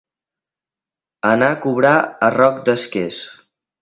Anar a cobrar a Roc d'Esques.